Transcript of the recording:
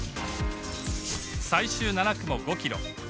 最終７区も、５ｋｍ。